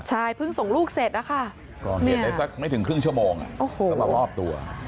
ใช่เพิ่งส่งลูกเสร็จพอเห็นไม่ถึงครึ่งชั่วโมงก็มามอบตัว